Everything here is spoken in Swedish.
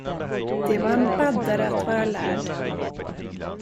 Det var en baddare att vara lärd.